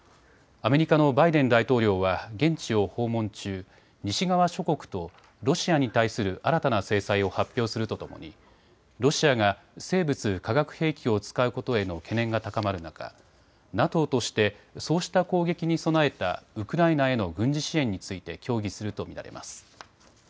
アメリカのバイデン大統領は現地を訪問中、西側諸国とロシアに対する新たな制裁を発表するとともにロシアが生物・化学兵器を使うことへの懸念が高まる中、ＮＡＴＯとしてそうした攻撃に備えたウクライナへの軍事支援について協議すると見られます。